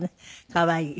可愛い。